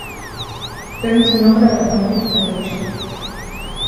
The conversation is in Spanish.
Deben su nombre a los montes Torricelli.